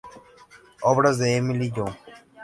Obras de Emily Young